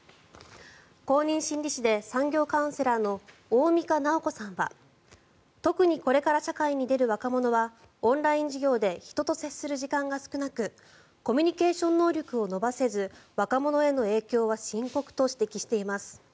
公認心理師で産業カウンセラーの大美賀直子さんは特にこれから社会に出る若者はオンライン授業で人と接する時間が少なくコミュニケーション能力を伸ばせず、若者への影響は深刻と指摘しています。